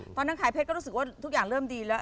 ตอนนั้นขายเพชรก็รู้สึกว่าทุกอย่างเริ่มดีแล้ว